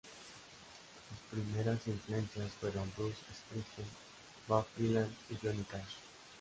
Sus primeras influencias fueron Bruce Springsteen, Bob Dylan y Johnny Cash.